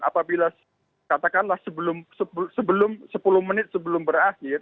apabila katakanlah sebelum sepuluh menit sebelum berakhir